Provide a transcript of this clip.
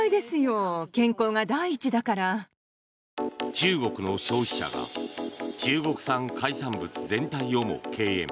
中国の消費者が中国産海産物全体をも敬遠。